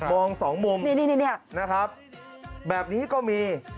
มองสองมุมแบบนี้ก็มี